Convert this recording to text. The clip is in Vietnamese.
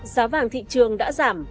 giá vàng thị trường đã giảm